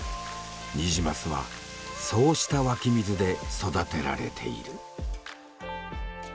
ニジマスはそうした湧き水で育てられている。